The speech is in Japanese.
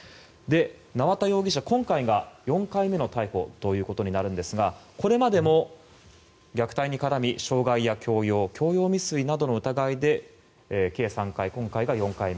縄田容疑者、今回が４回目の逮捕となるんですがこれまでも虐待に絡み傷害や強要強要未遂などの疑いで計３回今回が４回目。